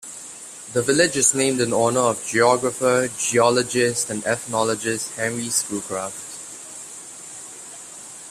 The village is named in honor of geographer, geologist, and ethnologist Henry Schoolcraft.